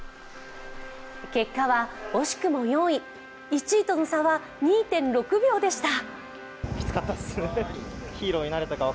結果は惜しくも４位、１位との差は２．６秒でした。